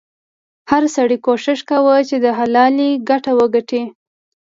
هر سړي کوښښ کاوه چې د حلالې ګټه وګټي.